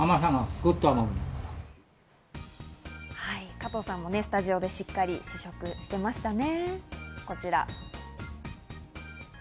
加藤さんもスタジオでしっかり試食してましたね。